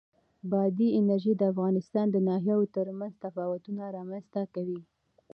بادي انرژي د افغانستان د ناحیو ترمنځ تفاوتونه رامنځ ته کوي.